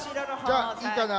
じゃあいいかな？